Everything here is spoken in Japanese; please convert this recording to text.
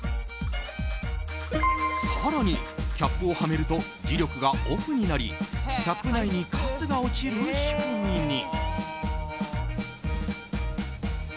更にキャップをはめると磁力がオフになりキャップ内にカスが落ちる仕組みに。